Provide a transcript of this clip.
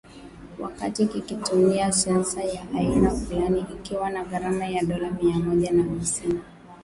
wakati kikitumia sensa ya aina fulani, ikiwa na gharama ya dola mia moja na hamsini